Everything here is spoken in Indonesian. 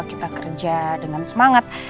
kita kerja dengan semangat